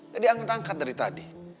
jadi angkat angkat dari tadi